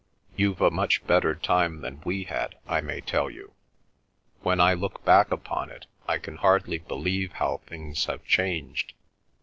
You've a much better time than we had, I may tell you. When I look back upon it, I can hardly believe how things have changed.